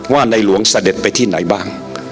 ในหลวงเสด็จไปที่ไหนบ้าง